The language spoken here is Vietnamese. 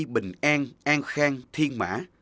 bình an an khang thiên mã